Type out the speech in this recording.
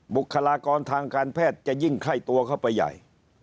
บุคลากรทางการแพทย์จะยิ่งไข้ตัวเข้าไปใหญ่